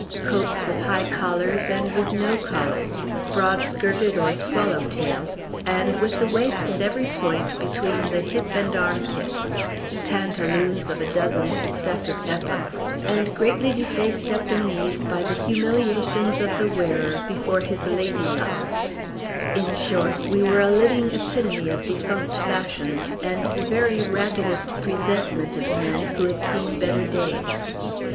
Coats with high collars and with no collars, broad skirted or swallow tailed, and with the waist at every point between the hip and arm pit; pantaloons of a dozen successive epochs, and greatly defaced at the knees by the humiliations of the wearer before his lady love, in short, we were a living epitome of defunct fashions, and the very raggedest presentment of men who had seen better days.